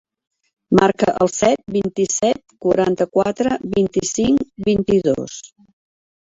Marca el set, vint-i-set, quaranta-quatre, vint-i-cinc, vint-i-dos.